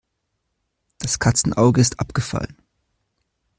Das Katzenauge ist abgefallen.